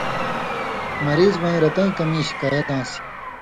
مریض وَیں رتَیں کمِیں شکایت آن٘سیۡ۔